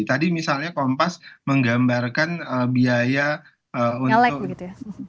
tadi misalnya kompas menggambarkan biaya untuk